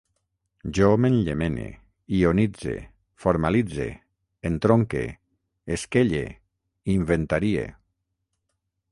Jo m'enllemene, ionitze, formalitze, entronque, esquelle, inventarie